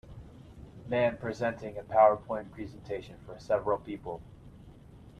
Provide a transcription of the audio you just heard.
Man presenting a powerpoint presentation for several people.